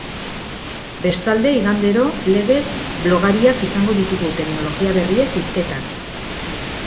Bestalde, igandero legez, blogariak izango ditugu teknologia berriez hizketan.